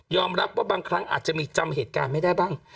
รับว่าบางครั้งอาจจะมีจำเหตุการณ์ไม่ได้บ้าง